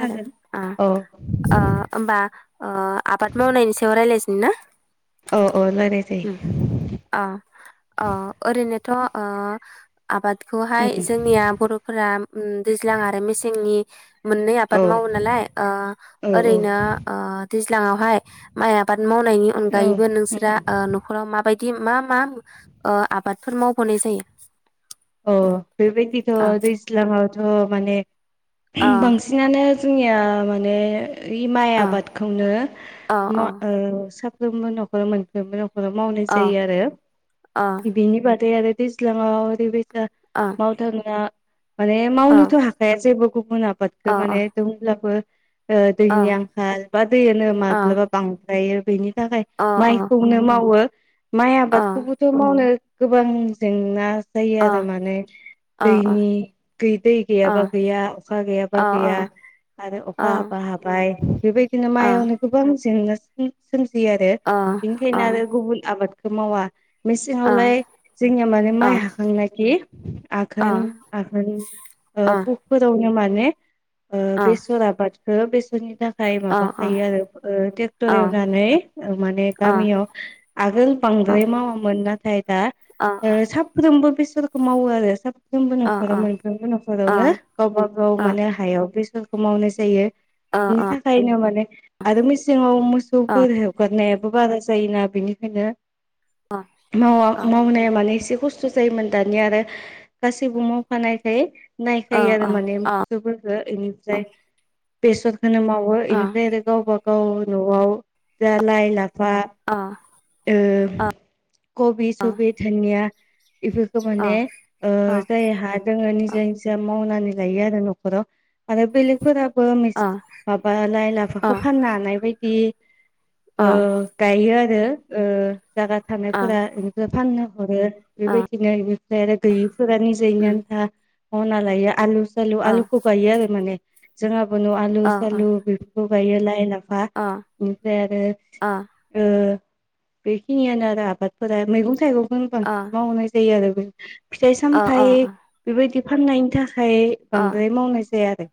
खोनादों ओ औ होमबा ओ आबाद मावनायनि सायाव रायलायसै [unintelligible] ओ ओम आ आ ओरैनो थ' आ आबादखौहाय उम जोंनिया बर'फोरा दैज्लां आरो मेसेंनि मोननै आबाद औ मावो नालाय अह औ ओरैनो दैज्लाङावहाय माइ आबाद आबाद मावनायनि औ अनगायैबो नोंसोरा उम नख'राव माबायदि मा मा आबादफोर मावबावनाय जायो अ बेबायदिथ' अ दैज्लाङावथ' माने अ बांसिनानो जोंनिया माने माइ अ आबादखौनो अ अ माव ओ [unintelligible] जोंबो न'खरा मोनफ्रोमबो [unintelligible] मावनाय अ जायो आरो अ बेनि बादै आरो दैज्लाङाव बे बादि अ मावथां [unintelligible] माने अ मावनोथ' हाखाया जेबो गुबुना अ आबादखौ माने दंब्लाबो अ दैनि आंखाल बा दैयानो माब्लाबा बां आयो बिनि थाखाय अ माइखौनो मावो। माइ आबादखौबोथ' मावनो गोबां जेंना अ आरो मे अ अ दैनि दै गैयाबा गैया अखा गैयाबा गैया आरो अखा हाबा हाबाय बेबायदिनो माइयावनो गोबां जेंना सोमजियो। आरो बेनिखायनो आरो गुबुन आबाद खौ मावा मेसेंआवलाय जोंनिया माने माइ हाखांनाय आघोन आघोन ओ पुकफोराव माने ओ बेसर आबाद हो बेसर फोरनि थाखाय माबाखायो आरो ओ ट्रेक्टर एवनानै माने गामियाव आगोल बांद्राय मावामोन ना। दा सानफ्रोमबो बेसे मावो आरो सान फ्रोमबो न'खराव मोनफ्रोमबो न'खरावनो गावबा गाव माने हायाव बेसर खौ मावनाय जायो। बिनि थाखायनो माने आरो मेसेंआव मोसौफोर हगारनाय बो बारा जायोना बेनिखायनो मावा मावनाया माने एसे खस्थ' जायो माने दानिया आरो गासैबो मावफानायखाय नायखायो आरो माने मोसौफोरखौ इनिफ्राय बेेसर खोनो मावो बेनिफ्राय आरो गावबा गाव गाव न'आव जा लाय लाफा बा ओ [inaudible] कबि सबि धोनिया ए माने ओ जायहा जोङो निजा निजा मावनानै जायो आरो न'खराव आरो बेलेगफोरा बो माबा लाइ लाफाखौ फाननो हानाय बायदि बे ओ गायो आ रो ओ जायगा थानायफोरा फाननो हर बेबाय दिनो बेनिफ्राय आरो गैयैफोरानो जैनि आन्था मावना लायो आलु जालु आलुखौ गायो आरो माने जोंहा आलु सालु बेफोरखौ गायो लाय ला फा बेनिफ्राय आरो बेखिनियानो आरो आबादफोरा मैगं थाइगं मोन बांसिन मावनाय जायो आरो बे फिथाइ सामथाइ बेबायदि फाननायनि था खाय बांद्राय मावनाय जाया आरो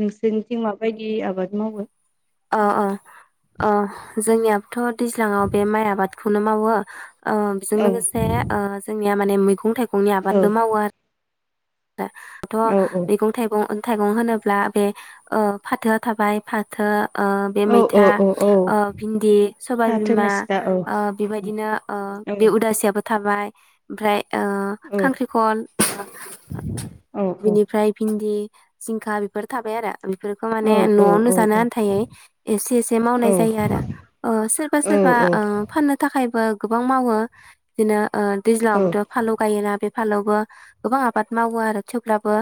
नों जोंथिं माबायदि आबाद मावो अ अ अ जोंनियाबोथ' दैज्लांआव बे माइ आबादखौनो मावो ओ बेजों औ लोगोसे ओ जोंनिया मै गं थाइ गंनि औ आबादबो मावो आरो औ दाथ' औ मैगं थाइगं थाइगं होनोब्ला बे ओ फाथोआव थाबाय फाथो ओ बे औ औ मैथा औ औ ओ भिन्दि फाथो सबायबिमा मेस्था औ ओ बेबायदिनो ओ औ बे उदासियाबो थाबाय ओमफ्राय ओ औ खांख्रिखल औ बिनिफ्राय भिन्दि जिंखा बेफोर थाबाय आरो बेफोरखौ माने औ औ न'आवनो जानो आन्थायै एसे एसे मावनाय जायो आरो ओ सोरबा औ सोरबा औ औ ओ फाननो थाखाय बो गोबां मावो बिदिनो ओ दैज्लांआवबोथ' उम फानलु गायोना बे फालावबो गोबां आबाद मावो आरो थेवब्लाबो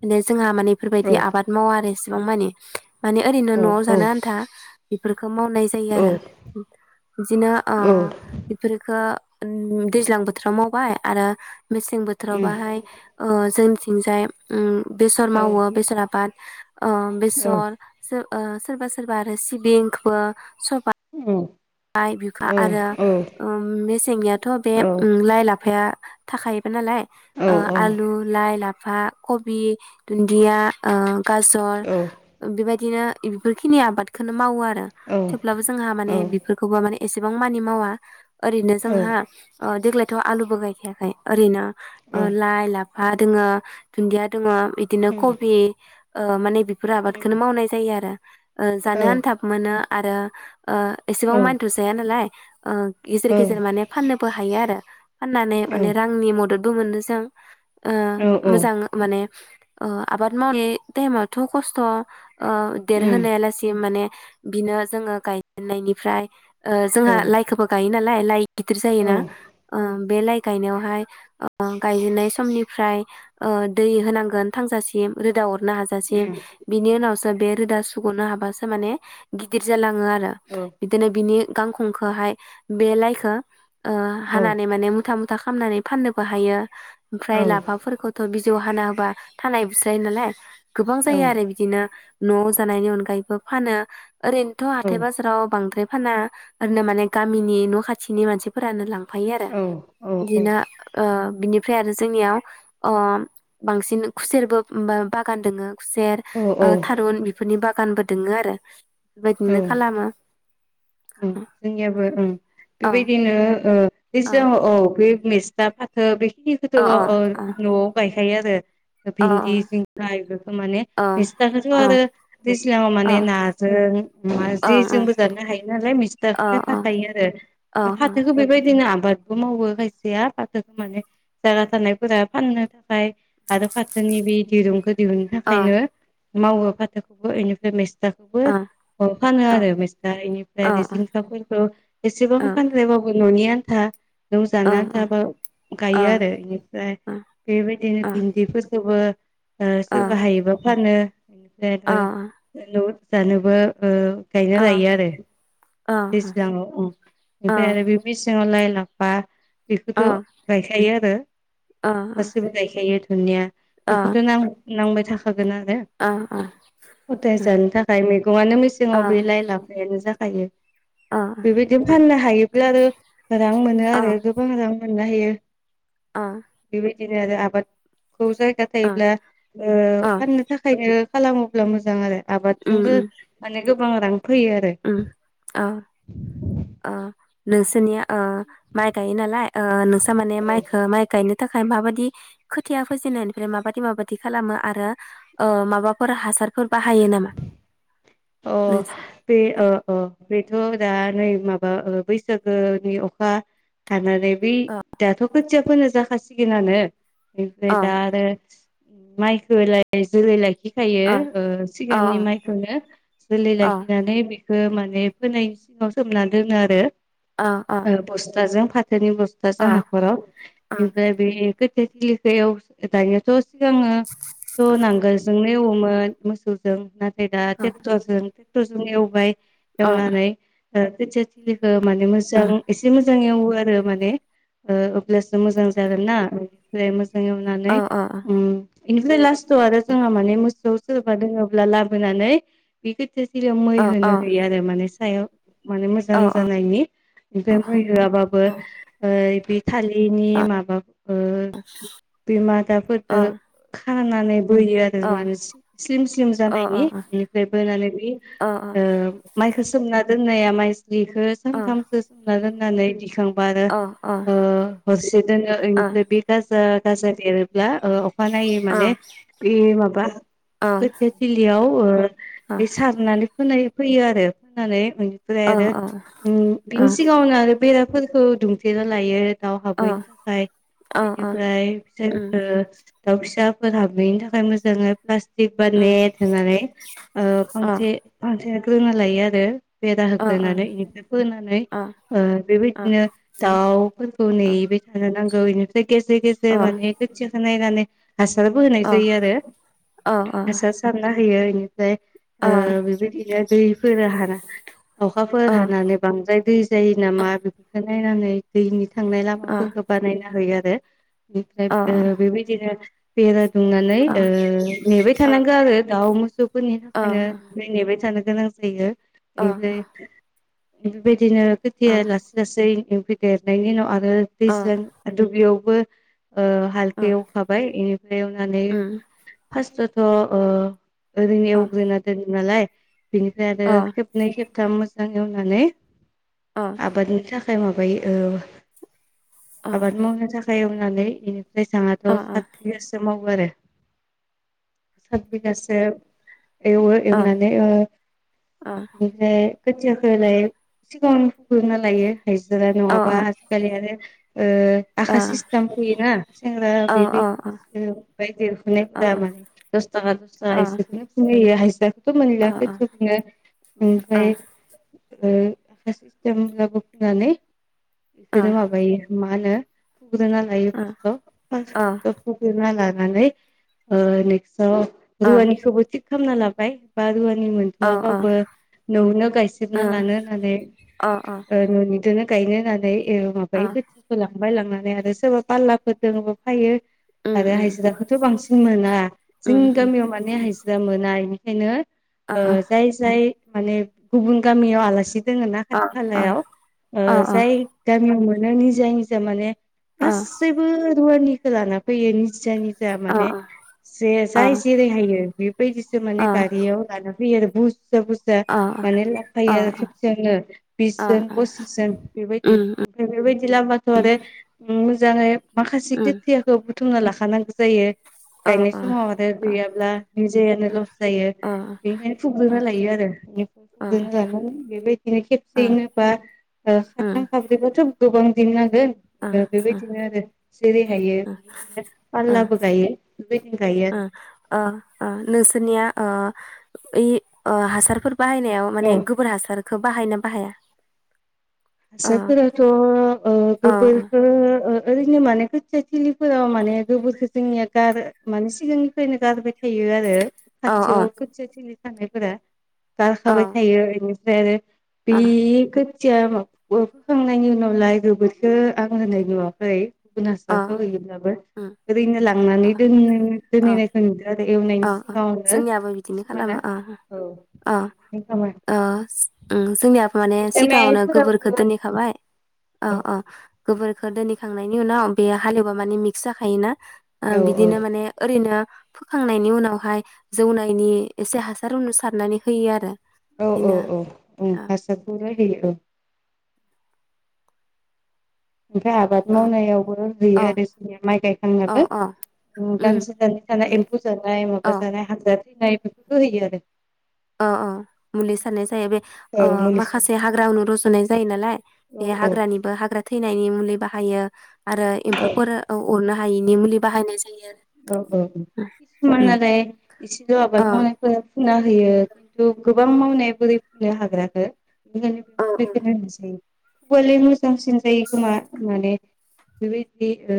माने जोंहा माने इफोरबायदि आबाद मावा आरो इ सेबां मानि माने औ ओरैनो न'आव जानो आन्था बेफोर खौ मावनाय जायो औ आरो बिदिनो ओ इफोरखो उम दैज्लां बोथोराव मावबाय आरो मेसें बोथोराव बाहाय ओ जों थिंजाय उम बेसर औ मावो बेसर आबाद ओ औ बेसर जो ओ सोरबा सोरबा आरो सिबिंखोबो औ इ बिखा आरो औ उम मेसेंनियाथ' बे औ उम लाइ ला फाया थाखायो नालाय उम औ ओ उम आलु लाइ ला फा कबि दुन्दिया आ गाजर औ बेबाय दिनो इफोरखिनि आबादखौनो मावो आ रो थेवब्लाबो जोंहा माने बि खौ माने एसेबां मानि मावा ओरैनो जोंहा ओ देग्लाय थ' आलुबो गायखायाखै ओरैनो ओ लाइ लाफा दोङो दुन्दिया दोङो बिदिनो कबि ओ माने बि फोर आबादखोनो मावनाय जायो आरो ओ जानो आन्थाबो मोनो आरो ओ एसेबां मानिथ जाया नालाय ओं गेजेर गेजेर माने फाननोबो हा थायो आरो फाननानै माने रांनि मदद बो मोनो जों ओ मोजां माने ओ आबाद मावनाय टाइमावथ खस्थ ओ देरहोनायालासि माने बिनो जोङो गायनायनि फ्राय जोंहा लाइखौबो गायोना [unintelligible] गिदिर जायोना ओम बे लाइ गायनायावहाय गायजेननाय समनिफ्राय दै होनांगोन थांजासिम रोदा नो हाजासिम बिनि उनावसो बे रोदा सुग'नो हाबासो माने गिदिर जलां लाङो आरो बिनि गांखंखोहाय बे लाइखो हानानै माने मुथा खामनानै फाननोबो हायो ओमफ्राय लाफाफोरखौथ' बि बिजौ हाना होबा थानाय बुस्रायो नालाय गोबां जायो आरो बिदिनो न' जानायनि अनगायैबो फानो ओरैनोथ' हाथाय बाजाराव बांद्राय फाना ओरैनो माने गामिनि न' खाथिनि मानसिफोरानो लां फायो आरो बिदिना ओ बिनिफ्राय आरो जोंनियाव अ बांसिन खुसेरबो बा बागान दोङो खुसेर औ औ थारुन बेफोरनि बा दखानबो दोंङो आरो औ बेबायदिनो खालामो ओं जोंनियाबो ओं औ बेबायदिनो ओ औ बे मेसथा फाथो बे [unintelligible] अ ओ अ न' आव गाय गायो आरो अ भिन्दि जिंखा बेफोरखौ माने मेसथाखौथ'‌ अ आरो दैज्लाङाव अ माने नाजों मा जे जोंबो जानो हायो नालाय मिस्थाखौ थाखायो आरो ओ ओं फाथोखौ बेबायदि दिनो आबादबो मावो खायसेया फाथोखौ माने जायगा थानाय फोरा फाननो थाखाय आरो फाथोनि बे दिरुंखौ दिहुननो अ थाखायनो मावो फाथोखौबो इनिफ्राय मेस थाखौबो अ फानो आरो मेसथा अ इनिफ्राय अ जिंखाफोरखौ एसेबां फानलायबाबो न'नि आनथा न'आव अ जानो आनथाबो गायो आरो इनिफ्राय बेबायदिनो भिन्दिफोर खौबो ओ सोरबा हायोबा फानो बेनिफ्राय आरो न' आव जानोबो ओ गायना लायो आरो दैज्लाङाव उम ओमफ्राय आरो बे मेसेङाव लाय ला फा बेखौथ' गायखायो आरो गासैबो गायखायो जोंनिया बेखौथ' नां नांबाय थाखा यो आरो हदाय जानो थाखाय मैगङानो मेसेङाव बे लाइ लाफायानो जा जाखायो बेबायदिनो फाननो हायोब्ला आरो रां मोनो आरो गोबां रां मोननो‌ हायो। अ नो‌ आरो आबाद खौ जायगा अ थायोब्ला ओ अ फाननो थाखायनो खालामोब्ला मोजां आरो आबादजोंबो उम माने गोबां रां फैयो आरो आ - आ नोंसोरनिया आ माइ गायो नालाय आ नोंसा माने औ माइखौ माइ गायनो थाखाय माबायदि खोथिया फोजेनायनिफ्राय माबादि माबादि खालामो आरो ओ माबाफोर हासारफोर बाहायो नामा? अ नोंस बे अ ओ - ओ बेथो दा नै माबा बैसागोनि अखा हानानै ओम दाथ खोथिया फोनो जाखासिगोनानो [unintelligible] अ दा आरोस ओम माइखौलाय जोलै लाखि फोथायो अ ओ अ सिगांनि माइखौनो जोलै अ लाखिनानै बेखौ माने फोनायनि सिगाङाव सोमनानै दोनो आरो अ अ ओ बसथाजों [unintelligible] बसथाजों अ हाखराव अ बेनिफ्राय बे [unintelligible] दानि थ' सिगाङो थ नांगोलजोंनो एवोमोन मोसौजों [unintelligible] दा तेग अ [unintelligible] अ एवनानै ओ खोथिया थपलियाल ओ माने मोजां एसे मोज जां एवो आरो माने ओ अब्लासो मोजां जागोन ना ओमफ्राय मोज जां एवनानै अ उम इनिफ्राय लास्टआव आरो जोंहा माने मोसौ सोरबा दोङोब्ला लाबोनानै [unintelligible] थिया थिलियाव मै अ होनो होयो आरो मानेस। [unintelligible] माने मोजां जानायनि ओमफाय मै होआबाबो ओइ बि थालिरनि माबा ओ बे मादाफोरदो हानानै बोयो आरो माने स्लिम स्लिम जानायनि बोनानै बि ओ माइखो सोमना दोननाया माइ बिखो सानथामसो सोमना दोन नानै दिखां बा आरो ओ हरसे दोनो इनिफ्राय बे गाजा गाजा बेरो या ओ अखानायै माने बे माबा खोथिया थिलियाव ओ ओइ सारनानै फोनाय फैयो आरो फोनानै एनिफ्राय आरो उम बिनि सिगाङावनो आरो बेरा फोरखौ दुमथेना लायो दाउ हाबहैनि थाखाय एनिफ्राय [unintelligible] दाउ फिसाफोर हाबैनायनि थाखाय मोजाङै फ्लास टिक बा अ नेट होनानै ओ अ फांसे [unintelligible] लायो आरो। बेरा होग्रोनानै एनिफ्राय फोनानै ओ बेबायदिनो दाउफोरखौ नेहैबाय थानो नांग [unintelligible] गेजेर गेजेर माने खोथियाखौ नाय नानै हासारबो होनाय जायो आरो हासार सारना होयो ओमफ्राय ओ बेबायदिनो दैफोरा हाना अखाफोर हानानै बांद्राय दै जायो नामा बेफोरखौ नायनानै दैनि थांनाय लामाफोरखौ बानायना होयो आरो बे बेनिफ्राय बेबायदिनो बेराद सुंनानै ओ नेबाय थानांगो आरो दाउ मो फोरनि थाखायनो नेबाय थानो गोनां जायो [inaudible] बेफोरबायदि बिदिनो खोथिया लासै लासै एमफै देरनायनि उनाव आर ओ दैज्लां दुब्लियाव बो हालखौ एवखाबाय इनिफ्राय एवनानै फार्ट अ अ ओरैनो एवग्रोना दोन नालाय बेनिफ्राय आरो खेबनै खेबथाम मोजां एवनानै आबादनि थाखा खाय माबायो औ आबाद मावनो थाखाय नानै इनि [unintelligible] सात बिगासो माव आरो सात बिगासो एवो एवनानै ओ ओमफ्राय खोथियाखौ लाय सिगाङावनो फुग्रुना लायो हाजिरा नङाबा आजिखालि आरो ओ आखा सिस्टाम फुयोना सेंग्रा बे बायदि देरफुनायफोरा माने दस थाखा दस थाखा एसे [unintelligible] थ' [unintelligible] ओमफ्राय ओ [unintelligible] फुनानै बिदिनो माबायो मानो फोग्रोना लायो फास्टाव फास्टाव फोग्रोना ला नानै ओ नेक्स आव रुवानि खौबो थिक खामना लाबाय बा रुवा नि मोनथवाबाबो न'आवनो गायसेबना लानो होननानै ओ न'नि दोनो गायनो होन्नानै एव माबायो खोथियाखौ लाङो बायलांनानै आरो सोरबा फालाफोर दोङोबा फायो आरो हाजिराखौथ' बांसिन मोना जोंनि गामियाव माने हाजि जा मोना इनिखायनो ओ जाय जाय माने गुबुन गामियाव आलासि दोङो ना खाथि खालायाव ओ जाय गामियाव मो नो निजा निजा माने गासैबो धरनिखो लाना फैयो निज जा निजा माने जे जाय जेरैहायो बे ब्रैजिसो माने गारियाव लाना बियोर बु रजा बुरजा माने लाफायो आरो खेबसेयावनो बिस जोन पसिस जोन बेबायदि ओमफ्राय बेफोरबायदि लाबोबाथ' आरो उम मो जाङै माखासे खोथियाखौ बुथुमना लाखा खानांगौ जायो गायनाय समाव आरो गैयाब्ला [unintelligible] लस जायो बेनिखायनो फुग्रोना लायो आरो ओनिफ्राय फुग्रोना लानानै बेबायदिनो खेबसेयैनो बा खाथाम खाब्रैबाथ' गोबां दिन नां गोन ओ बेबायदिनो आरो जेरै हायो बेबायदिनो ओ, फालाबो गायो बेबायदिनो गायो ओ आरो अ आ नोंसोरनिया ओ ऐ ओ हासारफोर बाहायनायाव माने औ गोबोर हासार खौ बाहायो ना बाहाया ओ हासार फोराथ ओ ओ गोबोरखो ओ ओरैनो माने खोथिया थिलिफोराव माने गोबोरखो जोंनिया गार माने सिगांनिफ्रायनो गारबाय थायो आरो ओ ओ खाथियाव खोथिया थिलि [unintelligible] गारखाबाय ओ थायो [unintelligible] ओमफ्राय आरो ओ [unintelligible] [unintelligible] फोखांनायनि उनावलाय बेगरखो आं होनाय नुवाखै गुबुन ओ हासारखौ होयोब्लाबो उम ओरैनो ओ लांनानै दोन ओ दोनहैनायखौ नुदों आरो एवनायनि ओ ओ सिगाङावनो जोंनियाबो बिदिनो किसुमाना खालामो ओ औ ओ बेबायदिनो खामो ओ उम जोंनियाबो माने सिगाङावनो गोबोरखो दोनहैखाबाय अ-अ औ गोबोरखो दोनहैखांनायनि उनाव बे हाले एवबा माने मिक्स जाखायोना औ औ बिदिनो माने ओरैनो फोखांनायनि उनावहाय जौनायनि एसे हासार उनु सारनानै होयो आरो बिदिनो औ-औ-औ-औ औ हासारखौलाय होयो ओ ओमफ्राय आबाद औ मावनायावबो होयो आरो जोंनिया माइ औ गायखांनाबो औ उम दानसे दाननै थाना उम एम्फौ जानाय औ माबा जानाय हानजा थैनाय बेफोरखौ होयो आरो अ-अ मुलि सारनाय जायो बे औ मुलिसो माखासे हाग्रा उनु रज'नाय जायो नालाय औ बे हाग्रानिबो हाग्रा थै थैनायनि मुलि बाहायो आरो एम्फौफोर अरनो हा [unintelligible] मुलि बायनाय औ-औ उम किसुमानालाय एसेल' औ आबाद मावनायफो फुना होयो खिन्थु गोबां मावनाय बोरै फुनो हाग्राखौ औ औ [unintelligible] मोजांसिन जायो खोमा माने बिबायदि‌ ओ